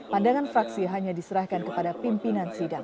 pandangan fraksi hanya diserahkan kepada pimpinan sidang